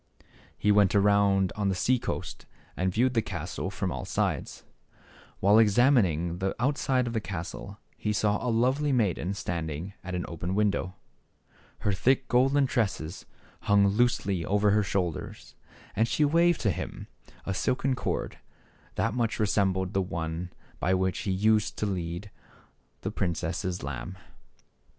He went around on the sea coast and viewed the %3. castle from all sides. While examining the outside of the castle, he saw a lovely maiden standing at an open window. Her thick golden tresses hung loosely over her shoulders, and she waved to him a silken cord, that much resembled the one by which he used to lead the princess' lamb.